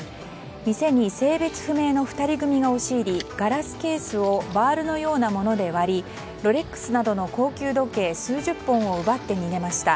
店に性別不明の２人組が押し入りガラスケースをバールのようなもので割りロレックスなどの高級時計数十本を奪って逃げました。